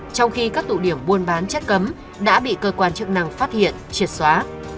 trong khi các tổng điểm buôn bán chất cấm đã bị cơ quan chức năng phát hiện truyệt xóa